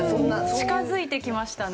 近づいてきましたね。